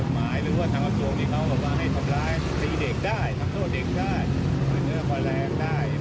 หมายถึงว่าทางประปรวงที่เขาบอกว่าให้สำร้ายทักตัวเด็กได้กดเนื้อพ่อแรงได้